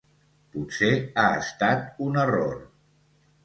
Potser ha estat un error.